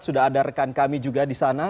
sudah ada rekan kami juga di sana